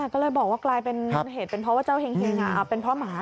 ก็เลยบอกว่ากลายเป็นเหตุเป็นเพราะว่าเจ้าเห็งเป็นเพราะหมา